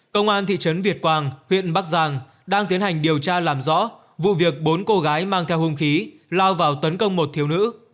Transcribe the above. công an thị trấn việt quang huyện bắc giang đang tiến hành điều tra làm rõ vụ việc bốn cô gái mang theo hung khí lao vào tấn công một thiếu nữ